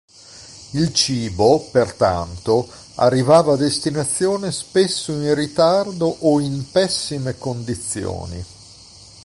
Il cibo, pertanto, arrivava a destinazione spesso in ritardo o in pessime condizioni.